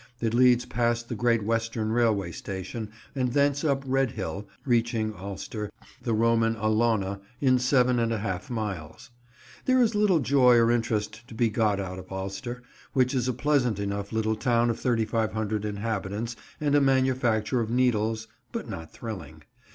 It leads past the Great Western Railway station, and thence up Red Hill, reaching Alcester, the Roman Alauna, in seven and a half miles. There is little joy or interest to be got out of Alcester, which is a pleasant enough little town of 3500 inhabitants and a manufacture of needles, but not thrilling.